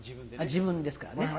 自分ですからね。